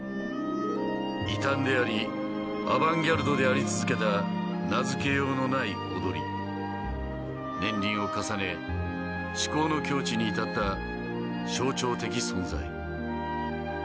異端でありアバンギャルドであり続けた名付けようのない踊り年輪を重ね思考の境地に至った象徴的存在